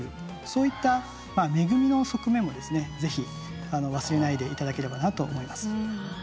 そういった恵みの側面もですね是非忘れないでいただければなと思います。